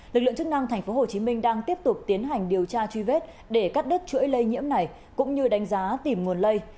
lực lượng chức năng tp hcm đang tiếp tục tiến hành điều tra truy vết để cắt đứt chuỗi lây nhiễm này cũng như đánh giá tìm nguồn lây